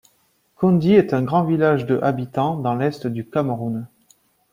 Koundi est un grand village de habitants dans l’Est du Cameroun.